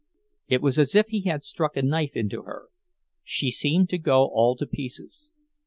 It was as if he had struck a knife into her. She seemed to go all to pieces.